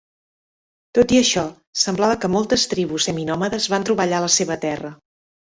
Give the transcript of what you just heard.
Tot i això, semblava que moltes tribus seminòmades van trobar allà la seva terra.